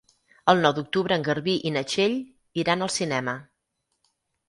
El nou d'octubre en Garbí i na Txell iran al cinema.